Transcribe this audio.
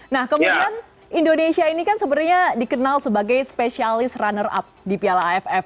nah kemudian indonesia ini kan sebenarnya dikenal sebagai spesialis runner up di piala aff